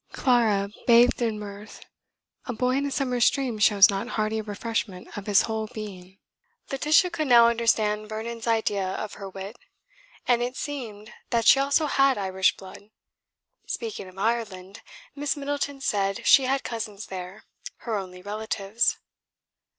Clara bathed in mirth. A boy in a summer stream shows not heartier refreshment of his whole being. Laetitia could now understand Vernon's idea of her wit. And it seemed that she also had Irish blood. Speaking of Ireland, Miss Middleton said she had cousins there, her only relatives.